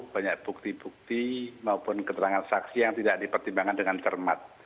banyak bukti bukti maupun keterangan saksi yang tidak dipertimbangkan dengan cermat